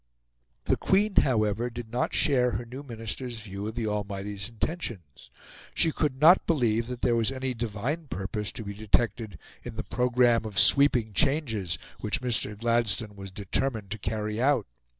The Queen, however, did not share her new Minister's view of the Almighty's intentions. She could not believe that there was any divine purpose to be detected in the programme of sweeping changes which Mr. Gladstone was determined to carry out.